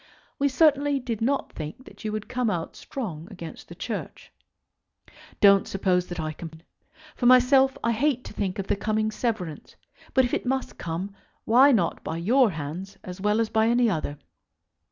We certainly did not think that you would come out strong against the Church. Don't suppose that I complain. For myself I hate to think of the coming severance; but if it must come, why not by your hands as well as by any other?